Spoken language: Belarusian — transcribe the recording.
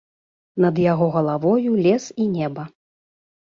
Над яго галавою лес і неба.